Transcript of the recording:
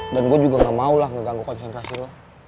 dan gue juga gak mau lah ngeganggu konsentrasi lo